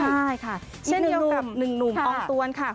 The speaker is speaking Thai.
ใช่ค่ะเช่นเดียวกับ๑หนุ่มออกตัวนะค่ะ